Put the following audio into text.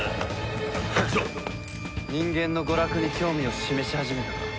人間の娯楽に興味を示し始めたか。